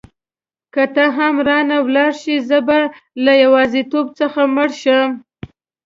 که ته هم رانه ولاړه شې زه به له یوازیتوب څخه مړ شم.